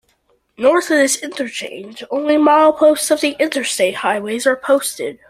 North of this interchange, only mileposts of the Interstate highways are posted.